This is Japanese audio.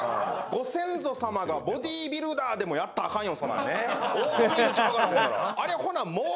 ご先祖様がボディビルダーでもやったらあかんよ。